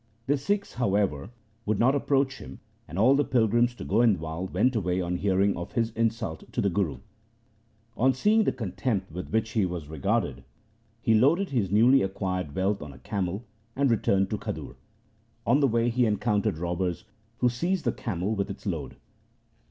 The Sikhs, however, would not approach him, and all the pilgrims to Goindwal went away on hearing of his insult to the Guru. On seeing the contempt with which he was regarded, he loaded his newly acquired LIFE OF GURU AMAR DAS 65 wealth on a camel and returned to Khadur. On the way he encountered robbers, who seized the camel with its load.